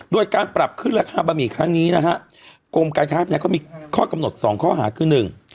โดยการปรับขึ้นราคาบะหมี่ครั้งนี้นะฮะกรมการค้าเนี่ยก็มีข้อกำหนดสองข้อหาคือหนึ่ง